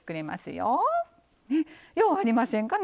ようありませんか？